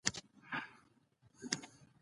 بزګر ته د باران هره څاڅکې یو رحمت دی